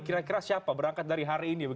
kira kira siapa berangkat dari hari ini